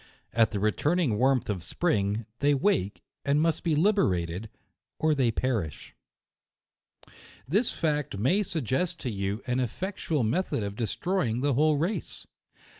At the returning warmth of spring, they wake, and must be liberated, or they perish. This fact may suggest to you an effectual me thod of destroying the whole race.